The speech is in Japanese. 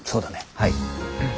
はい。